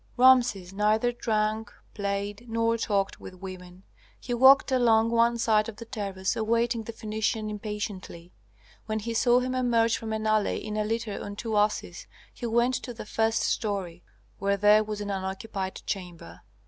Rameses neither drank, played, nor talked with women; he walked along one side of the terrace awaiting the Phœnician impatiently. When he saw him emerge from an alley in a litter on two asses, he went to the first story, where there was an unoccupied chamber.